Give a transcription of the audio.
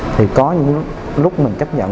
thì có những lúc mình chấp nhận